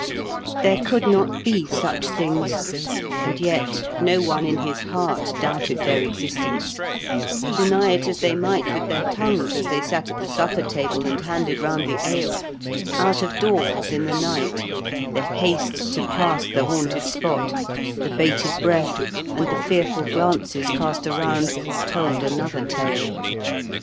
There could not be such things, and yet no one in his heart doubted their existence; deny it as they might with their tongues as they sat at the supper table and handed round the ale, out of doors in the night, the haste to pass the haunted spot, the bated breath, and the fearful glances cast around, told another tale.